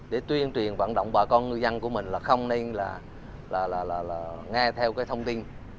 để tuyên truyền vận động bà con ngư dân của mình là không nên là nghe theo cái thông tin